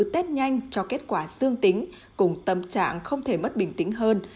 test nhanh cho kết quả dương tính cùng tâm trạng không thể mất bình tĩnh hơn